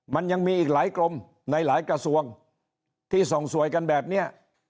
มันยังมีอีกหลายกรมในหลายกระทรวงที่ส่องสวยกันแบบนี้